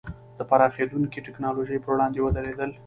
د پراخېدونکې ټکنالوژۍ پر وړاندې ودرېدل.